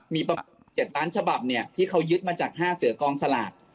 มีประมาณ๗ล้านฉบับเนี่ยที่เขายึดมาจาก๕เสือกองสลาก